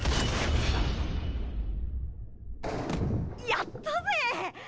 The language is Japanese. やったぜ！